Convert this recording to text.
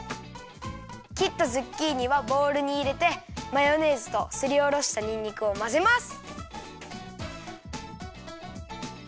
きったズッキーニはボウルにいれてマヨネーズとすりおろしたにんにくをまぜます。